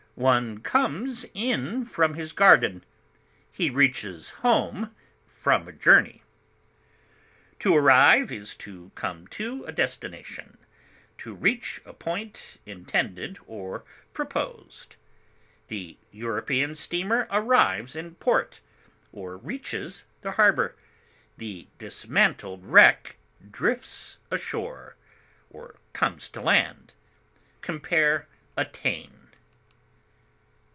One comes in from his garden; he reaches home from a journey. To arrive is to come to a destination, to reach a point intended or proposed. The European steamer arrives in port, or reaches the harbor; the dismantled wreck drifts ashore, or comes to land. Compare ATTAIN.